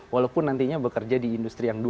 walaupun nantinya bekerja di industri yang dua atau tiga